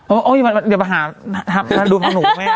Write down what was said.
โอ้ยเดี๋ยวไปหาดูข้างหนูไหม